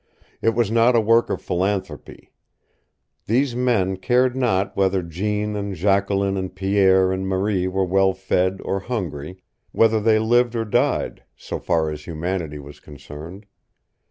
It was not a work of philanthropy. These men cared not whether Jean and Jacqueline and Pierre and Marie were well fed or hungry, whether they lived or died, so far as humanity was concerned.